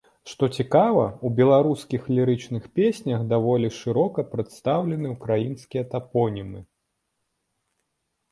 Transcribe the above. Што цікава, у беларускіх лірычных песнях даволі шырока прадстаўлены украінскія тапонімы.